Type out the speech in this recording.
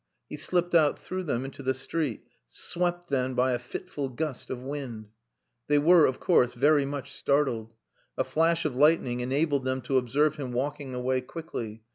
He slipped out through them into the street, swept then by a fitful gust of wind. They were, of course, very much startled. A flash of lightning enabled them to observe him walking away quickly.